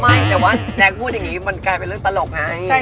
ไม่แต่ว่าแดงพูดอย่างนี้มันกลายเป็นเรื่องตลกไง